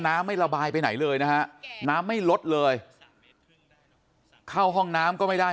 ไม่ระบายไปไหนเลยนะฮะน้ำไม่ลดเลยเข้าห้องน้ำก็ไม่ได้